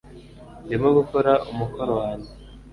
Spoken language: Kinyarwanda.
ndimo gukora umukoro wanjye